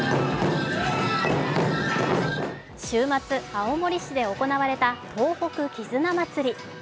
週末、青森市で行われた東北絆まつり。